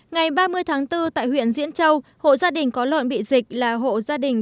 ngày ba mươi tháng bốn tại huyện diễn châu hộ gia đình có lợn bị dịch là hộ gia đình